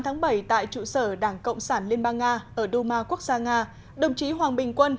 ngày tám bảy tại trụ sở đảng cộng sản liên bang nga ở đôma quốc gia nga đồng chí hoàng bình quân